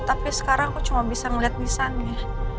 tapi sekarang aku cuma bisa ngeliat desainnya